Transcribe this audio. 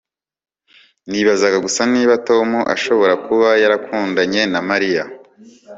Nibazaga gusa niba Tom ashobora kuba yarakundanye na Mariya